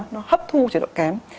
nó hấp thu chế độ kém